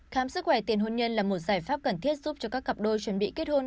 khám sức khỏe tiền hôn nhân là một giải pháp cần thiết giúp cho các cặp đôi chuẩn bị kết hôn